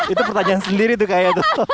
itu pertanyaan sendiri tuh kayak gitu